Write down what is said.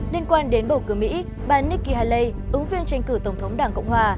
liên quan đến bầu cử mỹ bà nikki haley ứng viên tranh cử tổng thống đảng cộng hòa